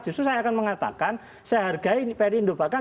justru saya akan mengatakan saya hargai peri indopakan